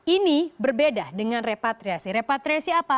ini berbeda dengan repatriasi repatriasi apa